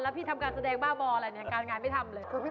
แล้วพี่ทำการแสดงบ้าบออะไรเนี่ย